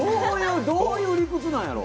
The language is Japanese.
どういう理屈なんやろ。